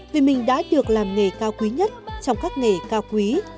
vì mình đã được làm nghề cao quý nhất trong các nghề cao quý